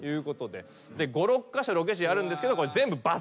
５６カ所ロケ地あるんですがこれ全部バス移動です。